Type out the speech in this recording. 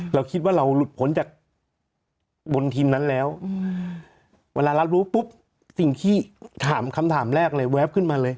เราคิดว่าเราหลุดพ้นจากบนทีมนั้นแล้วเวลาเรารู้ปุ๊บสิ่งที่ถามคำถามแรกเลยแวบขึ้นมาเลย